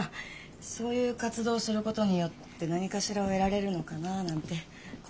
そういう活動をすることによって何かしらを得られるのかななんてことなんですかね。